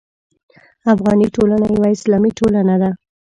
افغاني ټولنه یوه اسلامي ټولنه ده.